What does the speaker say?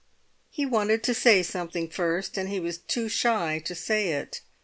He wanted to say something first, and he was too shy to say it.